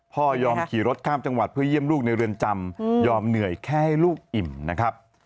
พ่อยอมขี่รถข้ามจังหวัดเพื่อเยี่ยมลูกในเรือนจำยอมเหนื่อยแค่ให้ลูกอิ่มนะครับ